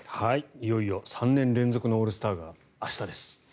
いよいよ３年連続のオールスターが明日です。